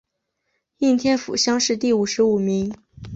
应天府乡试第五十五名。